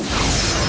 aku akan menghina kau